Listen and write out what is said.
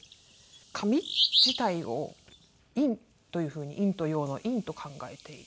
紙自体を陰というふうに陰と陽の陰と考えていて。